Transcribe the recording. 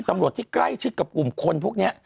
ตำรวจที่ใกล้ชิดกับกลุ่มคนพวกนี้